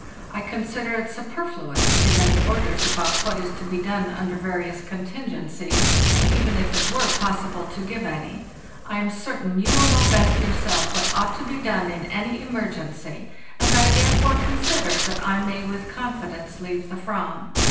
I consider it superfluous to give any orders about what is g2 FARTHEST NORTH to be done under various contingencies, even if it were possible to give any. I am certain you will know best yourself what ought to be done in any emergency, and I therefore consider that I may with confidence leave the Fram.